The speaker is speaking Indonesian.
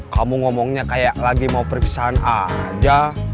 kamu ngomongnya kayak lagi mau perpisahan aja